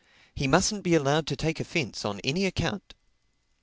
He mustn't be allowed to take offense on any account.